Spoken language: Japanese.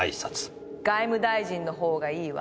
外務大臣のほうがいいわ。